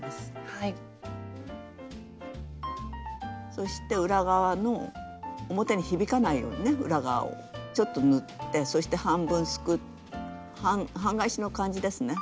そして裏側の表に響かないようにね裏側をちょっと縫ってそして半分すくう半返しの感じですね。